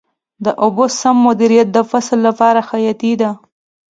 د اوبو سم مدیریت د فصل لپاره حیاتي دی.